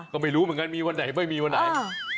ก็ไม่รู้เหมือนกันมีวันไหนไม่มีวันไหน